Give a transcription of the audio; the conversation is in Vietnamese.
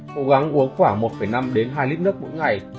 cố gắng uống khoảng một năm đến hai lít nước mỗi ngày